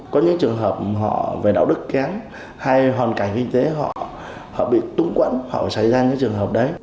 có những trường hợp họ về đạo đức kém hay hoàn cảnh kinh tế họ bị túng quẫn họ xảy ra những trường hợp đấy